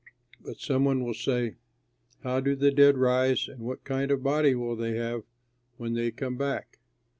But some one will say, "How do the dead rise and what kind of body will they have when they come back?"